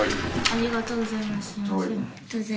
ありがとうございます。